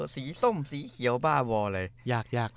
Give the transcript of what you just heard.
สีส้มซีเขียวบ้าวเลย